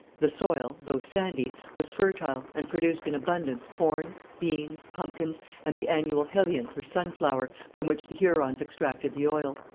The soil, though sandy, was fertile and produced in abundance corn, beans, pumpkins and the annual helianth or sun flower, from which the Hurons extracted the oil.